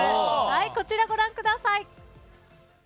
こちら、ご覧ください。